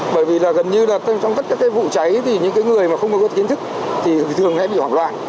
bởi vì là gần như là trong tất cả các vụ cháy thì những cái người mà không có kiến thức thì thường sẽ bị hoảng loạn